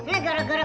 rik rik diam